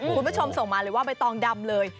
คุณผู้ชมส่งมาเลยว่าใบตองดำเลย